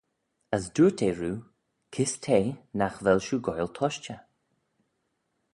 As dooyrt eh roo, Kys te nagh vel shiu goaill tushtey?